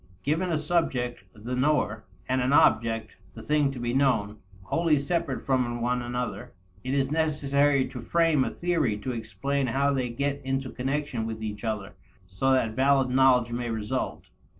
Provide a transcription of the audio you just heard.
Given a subject the knower and an object the thing to be known wholly separate from one another, it is necessary to frame a theory to explain how they get into connection with each other so that valid knowledge may result.